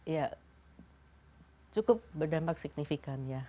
ya cukup berdampak signifikan ya